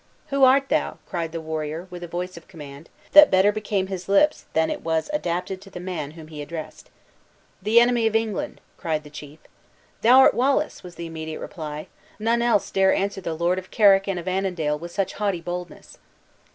"Who art thou?" cried the warrior, with a voice of command, that better became his lips than it was adapted to the man whom he addressed. "The enemy of England!" cried the chief. "Thou art Wallace!" was the immediate reply; "none else dare answer the Lord of Carrick and of Annandale with such haughty boldness."